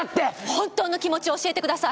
本当の気持ちを教えてください。